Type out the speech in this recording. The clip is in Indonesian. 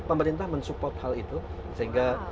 pemerintah mensupport hal itu sehingga